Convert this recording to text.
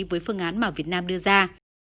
với phương án mà việt nam đưa ra